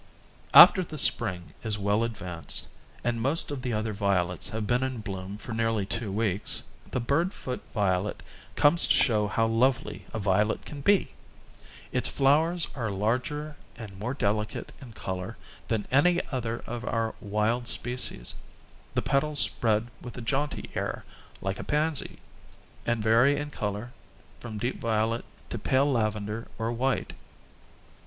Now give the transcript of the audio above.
After the spring is well advanced, and most of the other violets have been in bloom for nearly two weeks, the bird foot violet comes to show how lovely a violet can be! Its flowers are larger and more delicate in color than any other of our wild species, the petals spread with a jaunty air, like a pansy, and vary in color from deep violet to pale lavender or white.